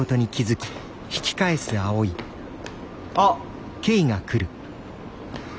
あっ！